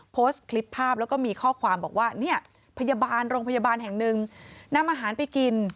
โพสต์คลิปภาพแล้วก็มีข้อความบอกว่าเนี่ยพยาบาลโรงพยาบาลแห่งหนึ่งนำอาหารไปกิน